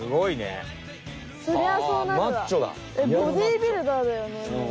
えっボディービルダーだよね。